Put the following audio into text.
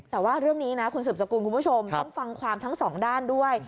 แต่ว่าเรื่องนี้นะคุณสืบสกุลคุณผู้ชมต้องฟังความทั้งสองด้านด้วย